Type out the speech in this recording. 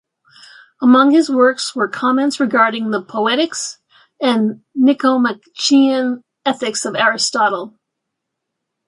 Among his works were comments regarding the "Poetics" and "Nicomachean Ethics" of Aristotle.